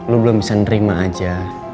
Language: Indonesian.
lu belum bisa nerima aja